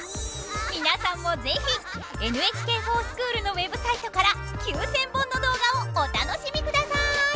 皆さんも是非ＮＨＫｆｏｒＳｃｈｏｏｌのウェブサイトから９，０００本の動画をお楽しみください！